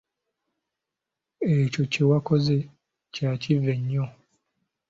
Ekyo kye yakoze kya kivve nnyo.